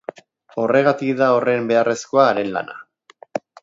Horregatik da horren beharrezkoa haren lana.